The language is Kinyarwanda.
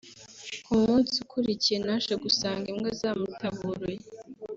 ku munsi ukurikiye naje gusanga imbwa zamutaburuye